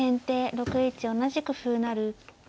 ６一同じく歩成。